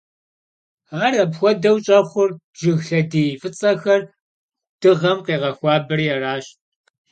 Ar apxuedeu ş'exhur, jjıg lhediy f'ıts'exer dığem khêğexuaberi araş.